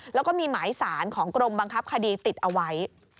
แล้วก็มีหมายสารของกรมบังคับคดีติดเอาไว้